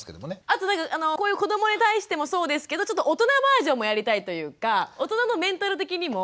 あとこういう子どもに対してもそうですけど大人バージョンもやりたいというか大人のメンタル的にも。